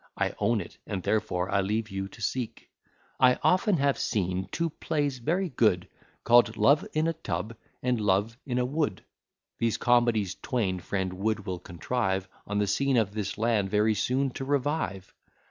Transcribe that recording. I own it, and therefore I leave you to seek. I often have seen two plays very good, Call'd Love in a Tub, and Love in a Wood; These comedies twain friend Wood will contrive On the scene of this land very soon to revive.